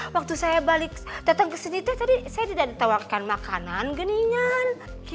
waktu saya balik datang ke sini tadi saya tidak ditawarkan makanan geningan